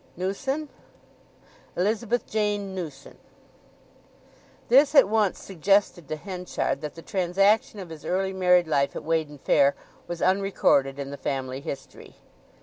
"Newson?" "Elizabeth Jane Newson." This at once suggested to Henchard that the transaction of his early married life at Weydon Fair was unrecorded in the family history.